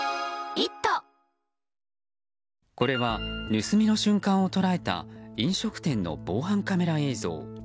これは、盗みの瞬間を捉えた飲食店の防犯カメラ映像。